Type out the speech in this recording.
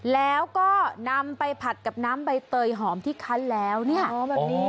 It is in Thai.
แล้วก็นำไปผัดกับน้ำใบเตยหอมที่คั้นแล้วเนี่ยหอมแบบนี้